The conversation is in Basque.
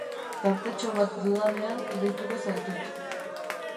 Tartetxo bat dudanean deituko zaitut.